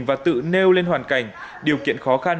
và tự nêu lên hoàn cảnh điều kiện khó khăn